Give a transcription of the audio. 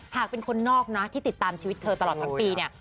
หากเป็นคนนอกนะที่ติดตามชีวิตเธอตลอดทั้งปีเนี่ย